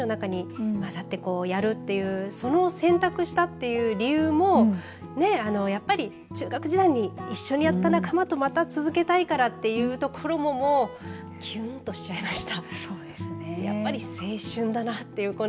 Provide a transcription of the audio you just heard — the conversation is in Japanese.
男子部員の中にまざってやるというその選択をしたという理由もねえ、やっぱり中学時代に一緒にした仲間とまた続けたいからというところもきゅんとしちゃいました。